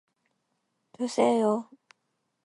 드세요.